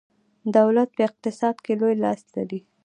دولت په اقتصاد کې لوی لاس لري.